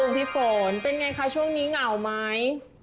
พี่ฝนเป็นไงคะช่วงนี้เหงาไหม